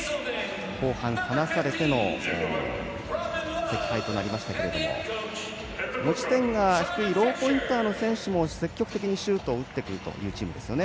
後半、離されての惜敗となりましたが持ち点が低いローポインターの選手も積極的にシュートを打ってくるチームですよね。